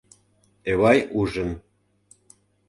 Эвай ужын.